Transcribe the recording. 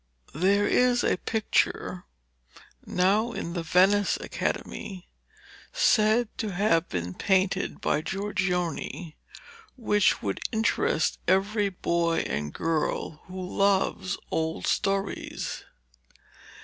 There is a picture now in the Venice Academy said to have been painted by Giorgione, which would interest every boy and girl who loves old stories.